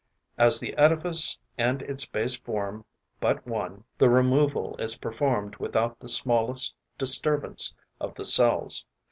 As the edifice and its base form but one, the removal is performed without the smallest disturbance of the cells.